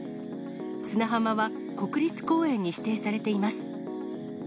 砂浜は国立公園に指定されています。